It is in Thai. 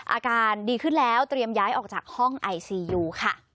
อาการดีขึ้นแล้วเตรียมย้ายออกจากห้องไอซียูค่ะ